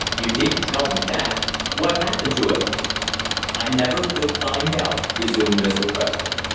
"You didn't tell me that! What happened to him." "I never could find out," resumed Mr. Preston.